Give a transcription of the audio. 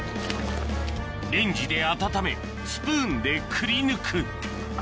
レンジで温めスプーンでくりぬくあっ。